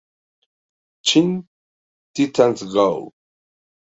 Teen Titans Go!